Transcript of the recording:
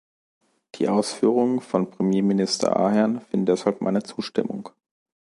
Die Ausführungen von Premierminister Ahern finden deshalb meine Zustimmung.